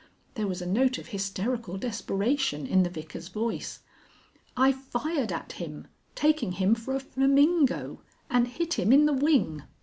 There was a note of hysterical desperation in the Vicar's voice. "I fired at him, taking him for a flamingo, and hit him in the wing."